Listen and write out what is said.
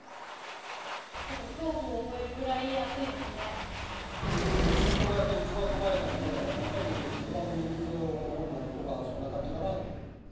ちょっと恐怖を覚えるぐらい熱中症がやっぱり一番怖いからね、やっぱりこまめに水を飲んだりとか、そんな感じかな。